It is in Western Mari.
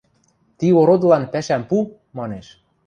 – Ти ородылан пӓшӓм пу! – манеш.